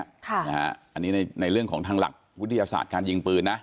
อันนี้ในเรื่องของทางหลักวิทยาศาสตร์การยิงปืนนะ